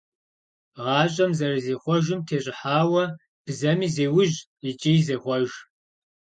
ГъащӀэм зэрызихъуэжым тещӀыхьауэ бзэми зеужь икӀи зехъуэж.